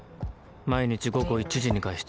毎日午後１時に外出。